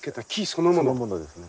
そのものですね。